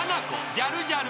ジャルジャル。